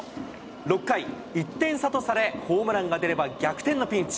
６回、１点差とされ、ホームランが出れば逆転のピンチ。